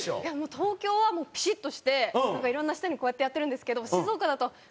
東京はもうピシッとしてなんかいろんな人にこうやってやってるんですけど静岡だと「あっよろしく」。